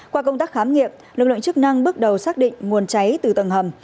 qua công tác khám nghiệm lực lượng chức năng bước đầu xác định nguồn cháy từ tầng hầm